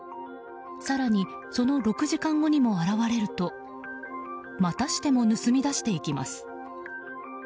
更に、その６時間後にも現れるとまたしても盗み出していきます。